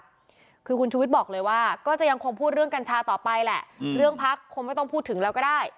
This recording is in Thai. คือคุณชุวิตบอกเลยว่าก็จะยังคงพูดเรื่องกัญชาต่อไปแหละเรื่องพักคงไม่ต้องพูดถึงแล้วก็ได้